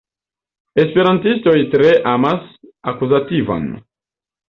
Esperantistoj tre amas akuzativon.